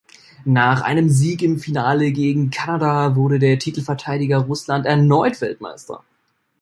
Nach einem Sieg im Finale gegen Kanada wurde der Titelverteidiger Russland erneut Weltmeister.